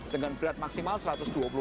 dengan berat maksimal seratus cm